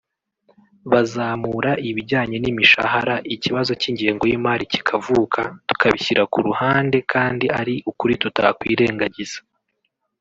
bazamura ibijyanye n’imishahara ikibazo cy’ingengo y’imari kikavuka tukabishyira ku ruhande kandi ari ukuri tutakwirengagiza